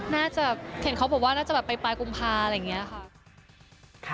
น่าจะเขาบอกว่าน่าจะไปปลายกุมภาพอะไรแบบนี้ค่ะ